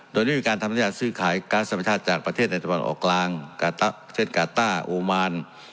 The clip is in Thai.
โดยมีการทำสัญญาสื่อขายการสัมพันธาตุจากประเทศอันตรีประมาณออกกลางเทศกาต้าอูมาน